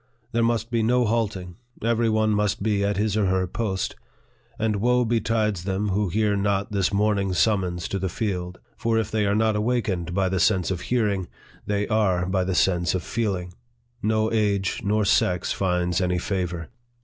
There must be no halting ; every one must be at his or her post ; and woe betides them who hear not this morning summons to the field ; for if they are not awakened by the sense of hearing, they are by the sense of feeling : no age nor sex finds any favor.